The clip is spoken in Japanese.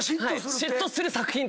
嫉妬する作品って。